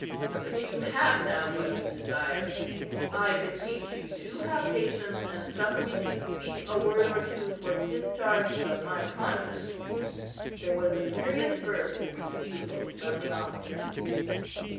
But you have now what you desire. I beseech you to have patience, and suffer me to speak a word or two for discharge of my conscience." There was a furious burst of refusals from the officers.